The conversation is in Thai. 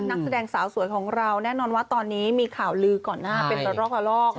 นักแสดงสาวสวยของเราแน่นอนว่าตอนนี้มีข่าวลือก่อนหน้าเป็นระลอกละลอก